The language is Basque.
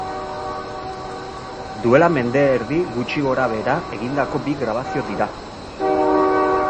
Duela mende erdi gutxi gora behera egindako bi grabazio dira.